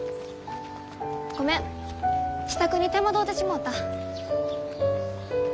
ごめん支度に手間取うてしもうた。